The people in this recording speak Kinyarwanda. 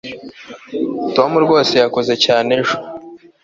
tom rwose yakoze cyane ejo